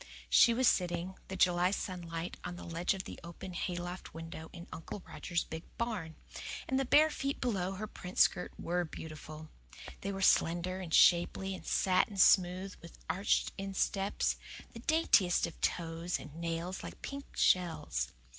She was sitting, the July sunlight, on the ledge of the open hayloft window in Uncle Roger's big barn; and the bare feet below her print skirt WERE beautiful. They were slender and shapely and satin smooth with arched insteps, the daintiest of toes, and nails like pink shells.